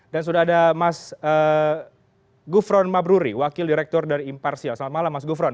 dan sudah ada mas gufron mabruri wakil direktur dari imparsial selamat malam mas gufron